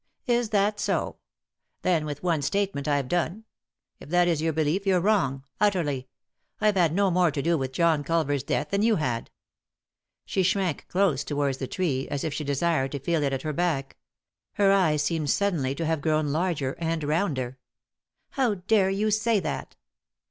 " Is that so ? Then with one statement I've done. If that is your belief you're wrong, utterly. I've had no more to do with John Culver's death than you had." She shrank close towards the tree, as if she 60 3i 9 iii^d by Google THE INTERRUPTED KISS desired to feel it at her back. Her eyes seemed suddenly to hare grown larger and rounder. " How dare you say that